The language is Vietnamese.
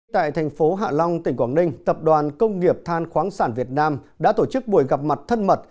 tại thành phố hạ long tỉnh quảng ninh tập đoàn công nghiệp than khoáng sản việt nam đã tổ chức buổi gặp mặt thân mật